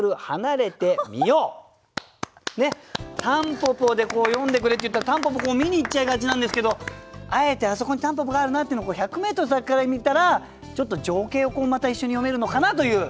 「蒲公英」で詠んでくれっていったら蒲公英見に行っちゃいがちなんですけどあえて「あそこに蒲公英があるな」っていうのを１００ｍ先から見たら情景をまた一緒に詠めるのかなという。